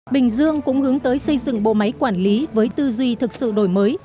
bình dương cũng hướng tới xây dựng bộ máy quản lý với tư duy thực sự đổi mới